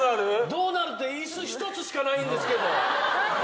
どうなるって椅子一つしかないんですけど。